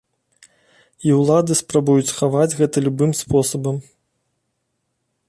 І ўлады спрабуюць схаваць гэта любым спосабам.